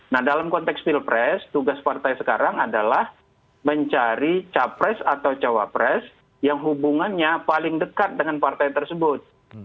nah dalam konteks pilpres tugas partai sekarang adalah mencari capres atau cawapres yang hubungannya paling dekat dengan partai tersebut